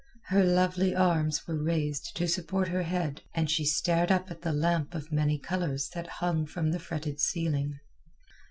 Her lovely arms were raised to support her head, and she stared up at the lamp of many colours that hung from the fretted ceiling.